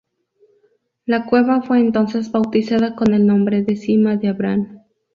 La cueva fue entonces bautizada con el nombre de Sima de Abraham.